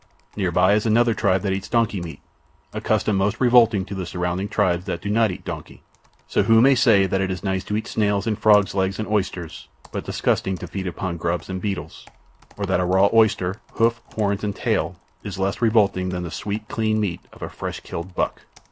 Near by is another tribe that eats donkey meat—a custom most revolting to the surrounding tribes that do not eat donkey. So who may say that it is nice to eat snails and frogs' legs and oysters, but disgusting to feed upon grubs and beetles, or that a raw oyster, hoof, horns, and tail, is less revolting than the sweet, clean meat of a fresh killed buck?